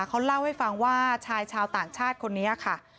เขาเล่าให้ฟังว่าชายชาวต่างชาติคนนี้ค่ะ